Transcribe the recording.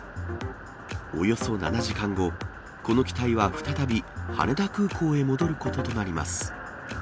およそ７時間後、この機体は再び羽田空港へ戻ることとなります。